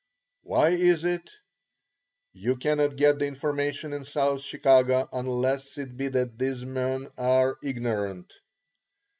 Why is it? You cannot get the information in South Chicago unless it be that these men are "ignorant."